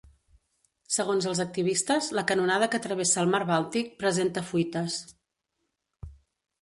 Segons els activistes, la canonada que travessa el mar Bàltic presenta fuites.